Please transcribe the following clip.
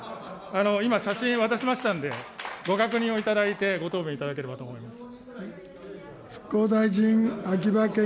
今、写真渡しましたんで、ご確認をいただいてご答弁いただければと思います。